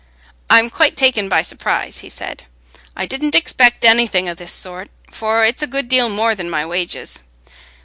"I'm quite taken by surprise," he said. "I didn't expect anything o' this sort, for it's a good deal more than my wages.